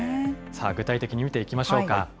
さあ、具体的に見ていきましょうか。